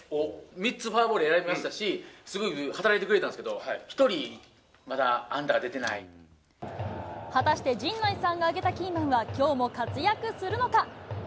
３つフォアボール選びましたし、すごく働いてくれたんですけど、１人、果たして陣内さんが挙げたキーマンは、きょうも活躍するのか。